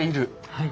はい。